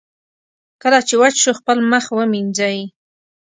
کله چې وچ شو، خپل مخ ومینځئ.